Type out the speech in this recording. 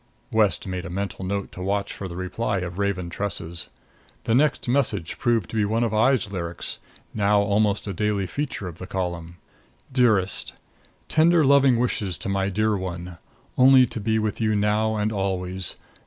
West made a mental note to watch for the reply of raven tresses. The next message proved to be one of Aye's lyrics now almost a daily feature of the column: DEAREST: Tender loving wishes to my dear one. Only to be with you now and always.